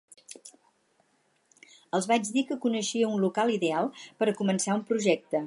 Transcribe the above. Els vaig dir que coneixia el local ideal per a començar un projecte.